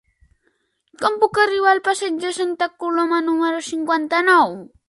Com puc arribar al passeig de Santa Coloma número cinquanta-nou?